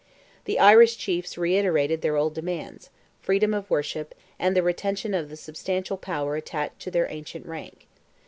The Irish chiefs reiterated their old demands: freedom of worship, and the retention of the substantial power attached to their ancient rank.